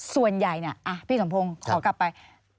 ส่วนใหญ่พี่สมโพงขอกลับไป